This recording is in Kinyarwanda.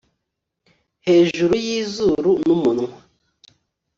hejuru y'izuru n'umunwa